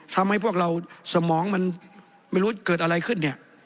ทำให้พวกเราสมองมันไม่รู้เกิดอะไรขึ้นเนี่ย